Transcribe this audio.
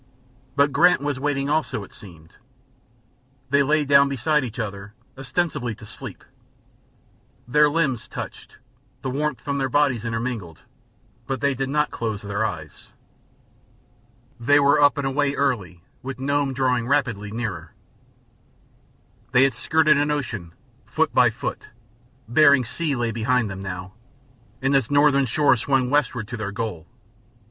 But Grant was waiting also, it seemed. They lay down beside each other, ostensibly to sleep; their limbs touched; the warmth from their bodies intermingled, but they did not close their eyes. They were up and away early, with Nome drawing rapidly nearer. They had skirted an ocean, foot by foot; Bering Sea lay behind them, now, and its northern shore swung westward to their goal.